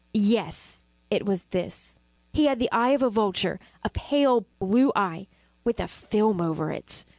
yes, it was this! He had the eye of a vulture a pale blue eye, with a film over it.